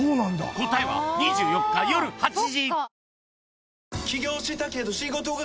［答えは２４日夜８時］